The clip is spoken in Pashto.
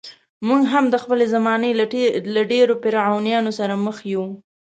موږ هم د خپلې زمانې له ډېرو فرعونانو سره مخ یو.